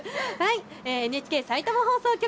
ＮＨＫさいたま放送局